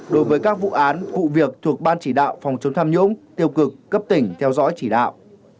đối với các vụ án vụ việc thuộc ban chỉ đạo phòng chống tham nhũng tiêu cực cấp tỉnh theo dõi chỉ đạo